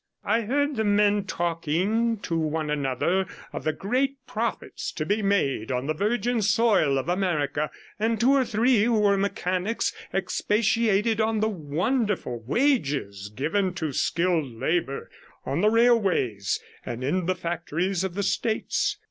I heard the men talking to one another of the great profits to be made on the virgin soil of America, and two or three, who were mechanics, expatiated on the wonderful wages given to skilled labour on the railways and in the factories of the States.